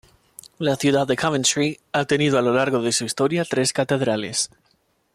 La ciudad de Coventry ha tenido a lo largo de su historia tres catedrales.